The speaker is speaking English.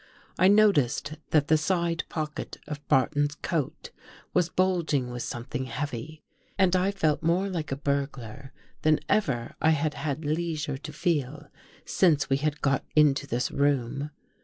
I noticed that the side pocket of Barton's coat was bulging with something heavy, and I felt more like a burglar than ever I had had leisure to feel since we had got into this room.